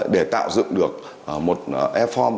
để tạo dựng được một reform